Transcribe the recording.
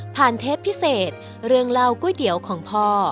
เทปพิเศษเรื่องเล่าก๋วยเตี๋ยวของพ่อ